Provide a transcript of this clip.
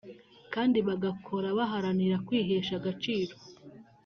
kandi bagakora baharanira kwihesha agaciro